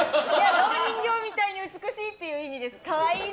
蝋人形みたいに美しいって意味です！